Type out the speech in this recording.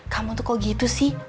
kamu tuh kok gitu sih